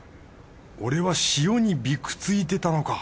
俺は塩にビクついてたのか